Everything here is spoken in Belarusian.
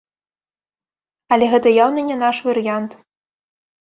Але гэта яўна не наш варыянт.